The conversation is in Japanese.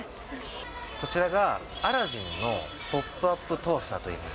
こちらがアラジンのポップアップトースターといいます。